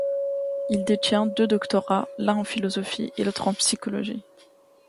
Il détient deux doctorats, l'un en philosophie et l'autre en psychologie.